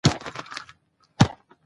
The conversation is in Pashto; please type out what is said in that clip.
په هېواد کې سلیمان غر ډېر اهمیت لري.